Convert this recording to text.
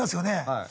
はい。